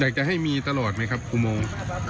อยากจะให้มีตลอดไหมครับอุโมง